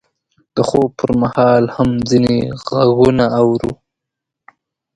د خوب پر مهال هم ځینې غږونه اورو.